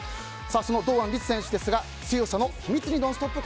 その堂安律選手ですが強さの秘密に「ノンストップ！」